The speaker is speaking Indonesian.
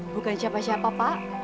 bukan siapa siapa pak